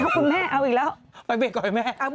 ไอ้แม่แล้วก็ให้พูดก็ไม่รู้